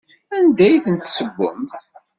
Anda i ten-tessewwemt?